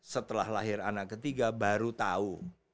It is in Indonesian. setelah lahir anak ketiga baru tahu